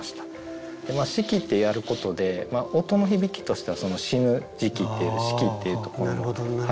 「四季」ってやることで音の響きとしては死ぬ時期っていう「死期」っていうところも入ってくるので。